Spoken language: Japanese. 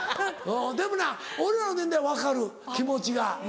でもな俺らの年代分かる気持ちが。